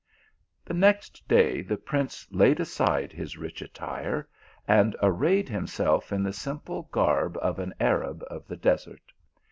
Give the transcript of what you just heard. The next clay the prince laid aside his rich attire, and arrayed himself in the simple garb of an Arab of the desert.